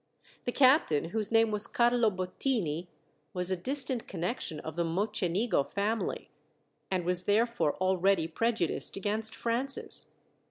The captain, whose name was Carlo Bottini, was a distant connection of the Mocenigo family, and was therefore already prejudiced against Francis.